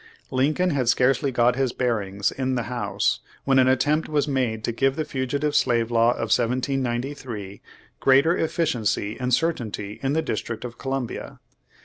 Lincoln had scarcely got his bearings in the House, when an attempt was made to give the Fugitive Slave Law of 1793 greater efficiency and certainty in the District of Columbia.